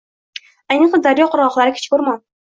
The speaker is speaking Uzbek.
ayniqsa daryo qirgʻoqlari kichik oʻrmon.